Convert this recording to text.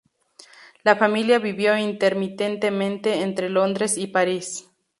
La familia vivió intermitentemente entre Londres y París.